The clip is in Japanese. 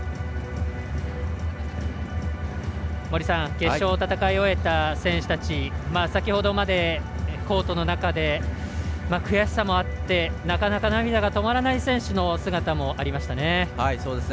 決勝を戦い終えた選手たち先ほどまでコートの中で悔しさもあってなかなか涙が止まらない選手の姿もありましたね。